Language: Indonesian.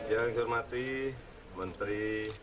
yang saya hormati menteri